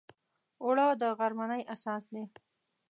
اوړه د غرمنۍ اساس دی